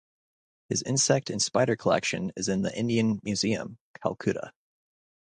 His insect and spider collection is in the Indian Museum, Calcutta.